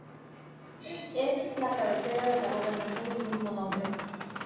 Es la cabecera de la gobernación del mismo nombre.